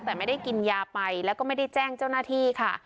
แต่ไม่ได้กินยาไปแล้วก็ไม่ได้แจ้งเจ้าหน้าที่ค่ะ